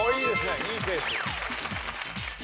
いいペース。